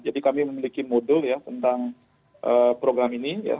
jadi kami memiliki modul ya tentang program ini ya